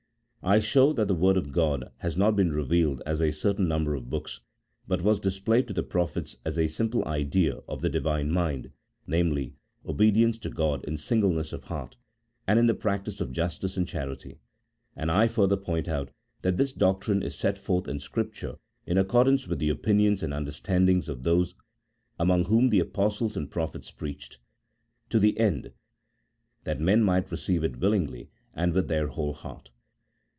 I show that the Word of God has not been revealed as a certain number of books, but was displayed to the prophets as a simple idea of the Divine mind, namely, obedience to God in singleness of heart, and in the practice of justice and charity; and I further point out, that this doctrine is set forth in Scrip ture in accordance with the opinions and understandings of those, among whom the Apostles and Prophets preached, to the end that men might receive it willingly, and with their whole heart.